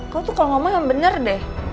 kau tuh kalau ngomong yang bener deh